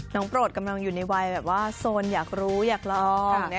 โปรดกำลังอยู่ในวัยแบบว่าโซนอยากรู้อยากลอง